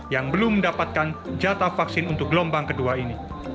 yang belum mendapatkan jatah vaksin untuk gelombang kedua ini